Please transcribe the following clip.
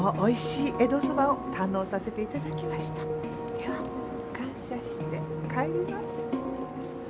では感謝して帰ります。